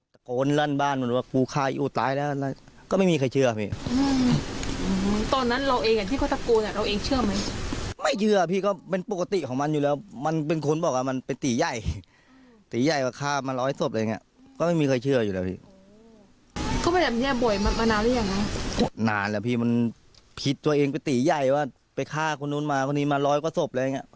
ตัวเองเป็นตีใหญ่ว่าไปฆ่าคนนู้นมาคนนี้มาร้อยกว่าศพอะไรอย่างนี้